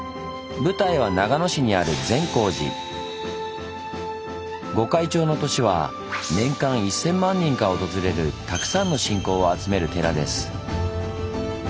舞台は長野市にある御開帳の年は年間１，０００万人が訪れるたくさんの信仰を集める寺です。